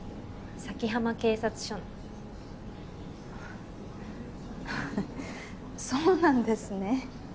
先浜警察署のそうなんですね